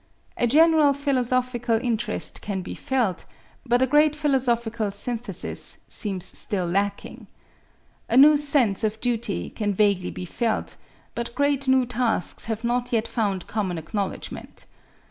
A general philosophical interest can be felt, but a great philosophical synthesis seems still lacking. A new sense of duty can vaguely be felt, but great new tasks have not yet found common acknowledgment.